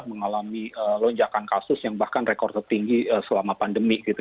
mengalami lonjakan kasus yang bahkan rekor tertinggi selama pandemi gitu